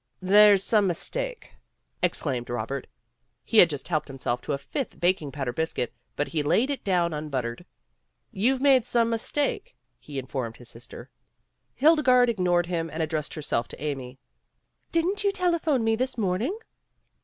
"There's some mistake," exclaimed Robert. He had just helped himself to a fifth baking powder biscuit, but he laid it down unbuttered. "You've made some mistake," he informed his sister. Hildegarde ignored him and addressed her self to Amy. "Didn't you telephone me this morning?"